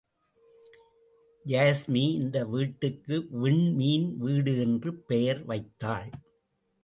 யாஸ்மி, இந்த வீட்டுக்கு விண்மீன் வீடு என்று பெயர் வைத்தாள்.